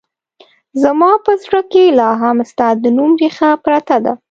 زما په زړه کې لا هم ستا د نوم رېښه پرته ده